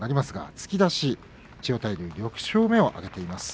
突き出しで千代大龍が６勝目を挙げています。